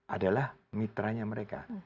adalah mitranya mereka